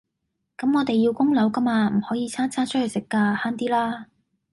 咁我哋要供樓㗎嘛，唔可以餐餐出去食㗎，慳啲啦